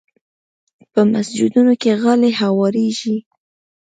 په مسجدونو کې غالۍ هوارېږي.